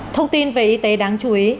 thông tin về y tế đáng chú ý